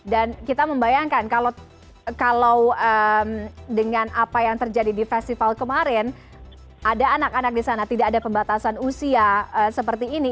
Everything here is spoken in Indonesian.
dan kita membayangkan kalau dengan apa yang terjadi di festival kemarin ada anak anak di sana tidak ada pembatasan usia seperti ini